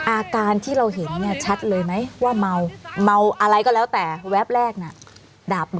อาการที่เราเห็นเนี่ยชัดเลยไหมว่าเมาเมาอะไรก็แล้วแต่แวบแรกน่ะ